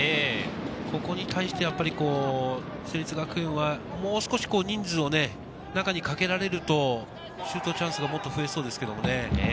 ここに対しては成立学園はもう少し人数を中にかけられるとシュートチャンスがもっと増えそうですけどね。